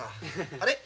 あれ？